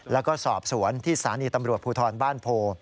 แล้วก็สอบสวนที่สถานีตำรวจภูทรบ้านโพ